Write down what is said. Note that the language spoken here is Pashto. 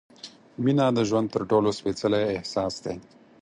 مینه د ژوند تر ټولو سپېڅلی احساس دی.